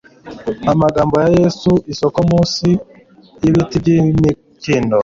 Amagambo ya Yesu isoko munsi yibiti byimikindo